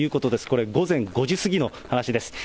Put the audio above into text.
これ、午前５時過ぎの話です。